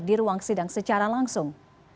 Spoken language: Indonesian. di ruang sidang secara langsung